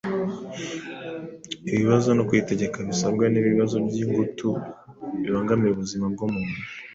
imbaraga no kwitegeka bisabwa n’ibibazo by’ingutu bibangamiye ubuzima bw’umuntu.